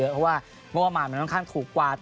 เพราะว่างบประมาณมันค่อนข้างถูกกว่า